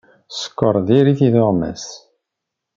Sskeṛ diri-t i tuɣmas.